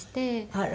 あら。